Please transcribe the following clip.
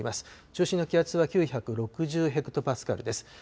中心の気圧は９６０ヘクトパスカルです。